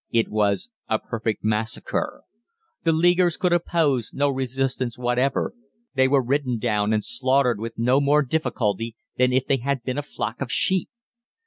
It was a perfect massacre. The 'Leaguers' could oppose no resistance whatever. They were ridden down and slaughtered with no more difficulty than if they had been a flock of sheep.